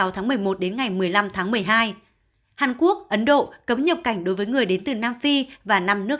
tháng một mươi một đến ngày một mươi năm tháng một mươi hai hàn quốc ấn độ cấm nhập cảnh đối với người đến từ nam phi và năm nước